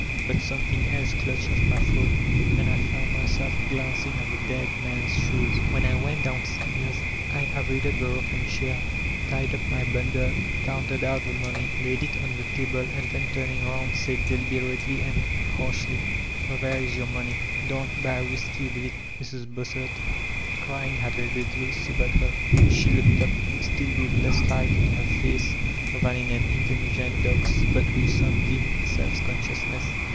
But something else clutched at my throat, and I found mjrself glancing at the dead man*s shoes. When I went downstairs, I avoided the rocking chair, tied up my bundle, counted out the money, laid it on the table, and then turning round said, deliberately and harshly: "There is jrour money; don't buy whisky with it, Mrs. Bossert" Cryiqg had a little sobered her. She kwked up, tM with less light in her face than in an intelltgent dog's, but with sone dim sdf consdousness.